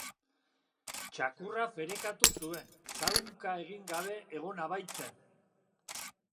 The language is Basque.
Txakurra ferekatu zuen, zaunka egin gabe egona baitzen.